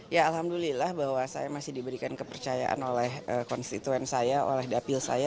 ya alhamdulillah bahwa saya masih diberikan kepercayaan oleh konstituen saya oleh dapil saya